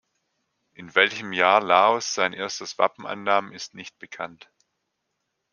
In welchem Jahr Laos sein erstes Wappen annahm, ist nicht bekannt.